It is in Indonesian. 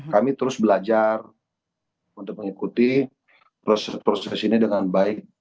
kami terus belajar untuk mengikuti proses proses ini dengan baik